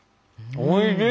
おいしい